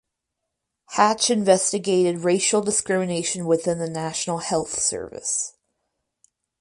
Hatch investigated racial discrimination within the National Health Service.